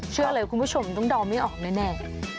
เชื่อเลยคุณผู้ชมต้องเดาไม่ออกแน่